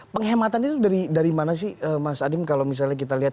penghematan itu dari mana sih mas adim kalau misalnya kita lihat